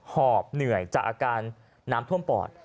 หอบเหนื่อยจากอาการน้ำท่วมปอด